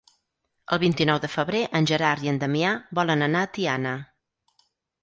El vint-i-nou de febrer en Gerard i en Damià volen anar a Tiana.